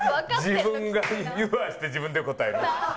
自分が言わせて自分で答える。